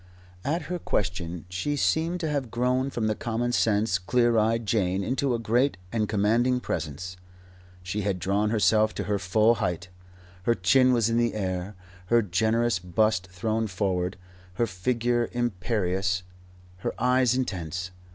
At her question she seemed to have grown from the common sense, clear eyed Jane into a great and commanding presence. She had drawn herself to her full height. Her chin was in the air, her generous bust thrown forward, her figure imperious, her eyes intense.